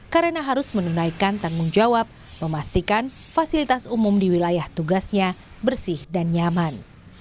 karena harus menunaikan tanggung jawab memastikan fasilitas umum di wilayah tugasnya bersih dan nyaman